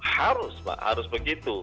harus harus begitu